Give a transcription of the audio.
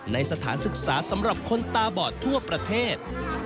ในสถานศึกษาสำหรับคนตาบอดทั่วประเทศ